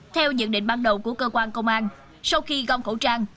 theo nhận định ban đầu của cơ quan công an sau khi gom khẩu trang